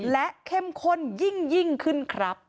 และเข้มข้นยิ่งขึ้นครับ